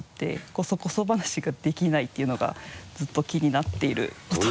こそこそ話ができないっていうのがずっと気になっていることです。